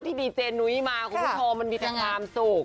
พี่ดีเจนุ้ยมาของทุกคนมันมีความสุข